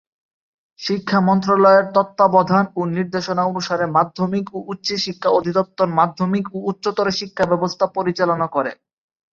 শিক্ষা মন্ত্রণালয়ের তত্ত্বাবধান ও নির্দেশনা অনুসারে মাধ্যমিক ও উচ্চশিক্ষা অধিদপ্তর মাধ্যমিক ও উচ্চতর শিক্ষা ব্যবস্থা পরিচালনা করে।